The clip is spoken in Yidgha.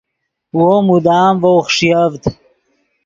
وو مدام ڤؤ خݰیڤد